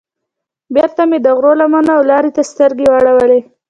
بېرته مې د غره لمنو او لارې ته سترګې واړولې.